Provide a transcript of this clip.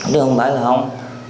không phải là không